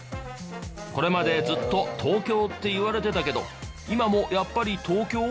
これまでずっと東京っていわれてたけど今もやっぱり東京？